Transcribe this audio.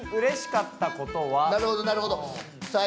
「なるほどなるほど」